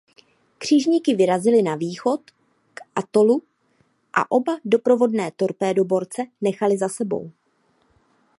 Křižníky vyrazily na východ k atolu a oba doprovodné torpédoborce nechaly za sebou.